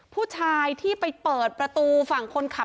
ผู้ชายที่ไปเปิดประตูฝั่งคนขับ